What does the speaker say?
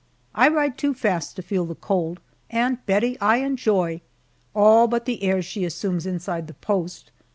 I ride too fast to feel the cold, and Bettie I enjoy all but the airs she assumes inside the post.